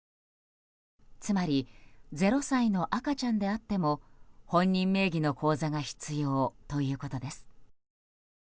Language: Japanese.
つまり０歳の赤ちゃんであっても本人名義の口座が必要ということです。